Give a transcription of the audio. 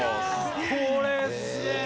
これすげえな！